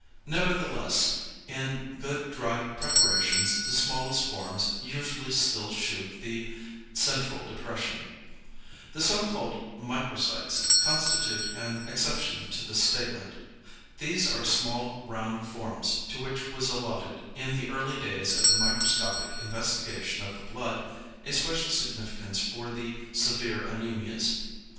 Nevertheless in good dry preparations the smallest forms usually still shew the central depression. The so called "microcytes" constitute an exception to this statement. These are small round forms, to which was allotted in the early days of the microscopic investigation of the blood, a special significance for the severe anæmias.